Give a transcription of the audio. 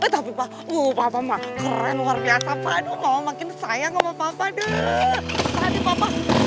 tapi pak papa keren luar biasa pak aduh mau makin sayang sama papa deh tadi papa